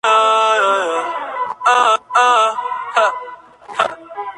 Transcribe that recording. De esta forma, se le da una segunda oportunidad.